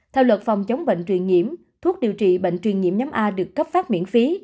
theo luật phòng chống bệnh truyền nhiễm thuốc điều trị bệnh truyền nhiễm nhóm a được cấp phát miễn phí